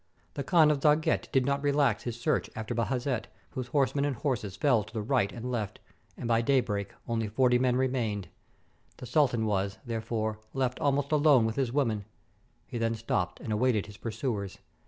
The Khan of Dzsagat did not relax his search after Bajazet, whose horsemen and horses fell to the right and left, and by daybreak only forty men remained. The sultan was, therefore, left almost alone with his women. He then stopped and awaited his pursuers.